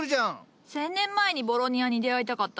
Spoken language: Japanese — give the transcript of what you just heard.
１，０００年前にボロニアに出会いたかったのう。